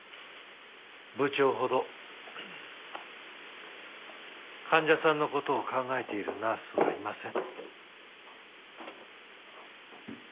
部長ほど患者さんの事を考えているナースはいません。